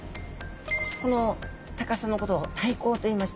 この高さのことを体高といいまして。